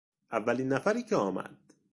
اولین نفری که آمد